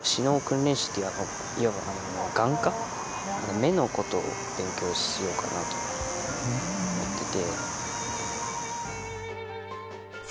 目のことを勉強しようかなと思ってて。